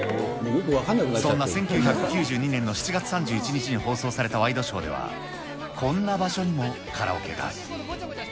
そんな１９９２年の７月３１日に放送されたワイドショーでは、こんな場所にもカラオケが。